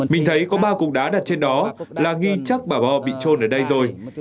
mình thấy có ba cục đá đặt trên đó là nghi chắc bà bo bị trôn ở đây rồi